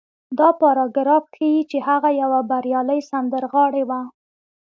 دا پاراګراف ښيي چې هغه يوه بريالۍ سندرغاړې وه.